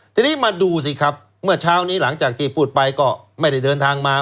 ทีนี้มาดูสิครับเมื่อเช้านี้หลังจากที่พูดไปก็ไม่ได้เดินทางมา